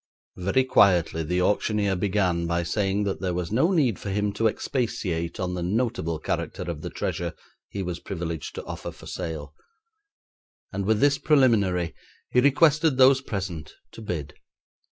Very quietly the auctioneer began by saying that there was no need for him to expatiate on the notable character of the treasure he was privileged to offer for sale, and with this preliminary, he requested those present to bid.